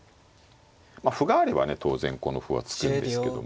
まあ歩があればね当然この歩は突くんですけども。